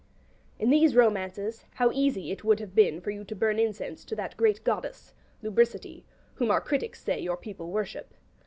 In these romances how easy it would have been for you to burn incense to that great goddess, Lubricity, whom our critic says your people worship.